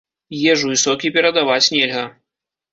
Ежу і сокі перадаваць нельга.